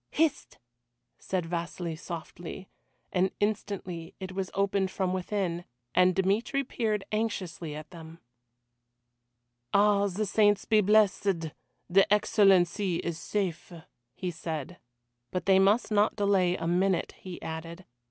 "Hist!" said Vasili softly, and instantly it was opened from within, and Dmitry peered anxiously at them. "Ah, the saints be blessed, the Excellency is safe," he said. But they must not delay a minute, he added.